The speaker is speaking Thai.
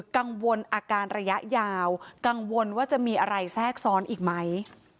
กังวลอาการระยะยาวกังวลว่าจะมีอะไรแทรกซ้อนอีกไหม